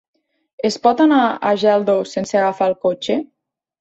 Es pot anar a Geldo sense agafar el cotxe?